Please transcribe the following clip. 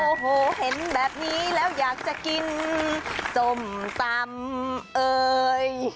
โอ้โหเห็นแบบนี้แล้วอยากจะกินส้มตำเอ่ย